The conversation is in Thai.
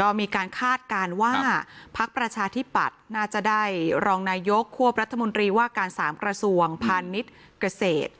ก็มีการคาดการณ์ว่าพักประชาธิปัตย์น่าจะได้รองนายกควบรัฐมนตรีว่าการ๓กระทรวงพาณิชย์เกษตร